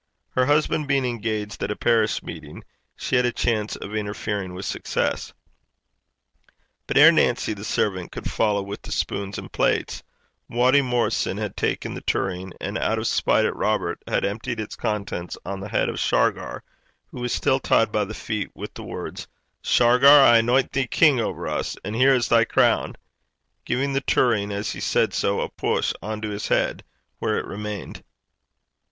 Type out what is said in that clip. Her husband being engaged at a parish meeting, she had a chance of interfering with success. But ere Nancy, the servant, could follow with the spoons and plates, Wattie Morrison had taken the tureen, and out of spite at Robert, had emptied its contents on the head of Shargar, who was still tied by the feet, with the words: 'Shargar, I anoint thee king over us, and here is thy crown,' giving the tureen, as he said so, a push on to his head, where it remained.